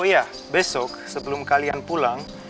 oh iya besok sebelum kalian pulang